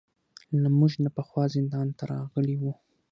له موږ نه پخوا زندان ته راغلي وو.